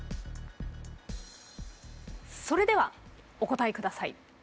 それではお答えください。